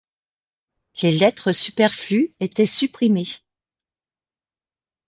Les lettres superflues étaient supprimées.